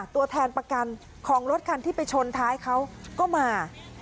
ตัวแทนประกันของรถคันที่ไปชนท้ายเขาก็มา